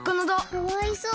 かわいそう。